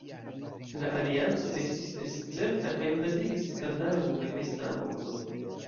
La alianco estis escepta, kaj okazigis skandalon en la kristana mondo.